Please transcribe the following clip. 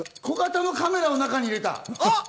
小型のカメラを中に入れた。